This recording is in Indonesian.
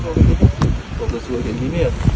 kalau klubnya sudah gini gini